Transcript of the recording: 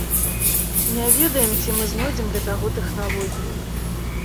Не ведаем, ці мы знойдзем для таго тэхналогію.